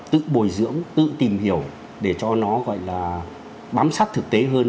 tự bồi dưỡng tự tìm hiểu để cho nó gọi là bám sát thực tế hơn